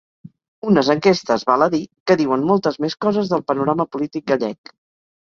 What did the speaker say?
Unes enquestes, val a dir, que diuen moltes més coses del panorama polític gallec.